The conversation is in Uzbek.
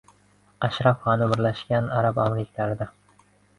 Ashraf G‘ani Birlashgan Arab Amirliklarida!